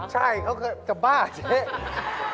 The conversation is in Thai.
ใช่เขาเคยจะบ้าเจ๊